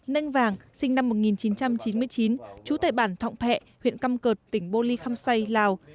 nênh vàng sinh năm một nghìn chín trăm chín mươi chín chú tại bản thọng phẹ huyện căm cợt tỉnh bô ly khăm say lào